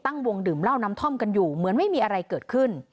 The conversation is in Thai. ตั้งวงดื่มเหล้าน้ำท่อมกันอยู่เหมือนไม่มีอะไรเกิดขึ้น